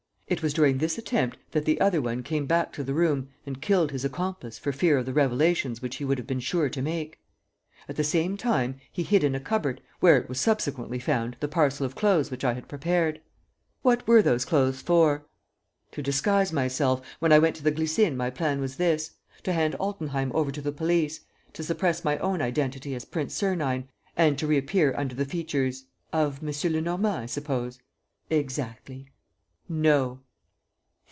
It was during this attempt that 'the other one' came back to the room and killed his accomplice for fear of the revelations which he would have been sure to make. At the same time, he hid in a cupboard, where it was subsequently found, the parcel of clothes which I had prepared." "What were those clothes for?" "To disguise myself. When I went to the Glycines my plan was this: to hand Altenheim over to the police, to suppress my own identity as Prince Sernine and to reappear under the features. ..." "Of M. Lenormand, I suppose?" "Exactly." "No."